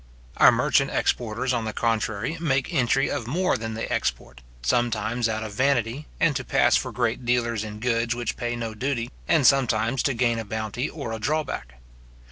Our merchant exporters, on the contrary, make entry of more than they export; sometimes out of vanity, and to pass for great dealers in goods which pay no duty gain a bounty back.